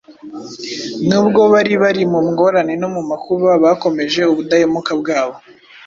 Nubwo bari bari mu ngorane no mu makuba bakomeje ubudahemuka bwabo